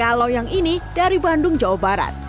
kalau yang ini dari bandung jawa barat